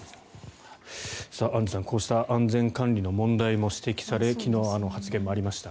アンジュさん、こういった安全管理の問題も指摘され昨日、あの発言もありました。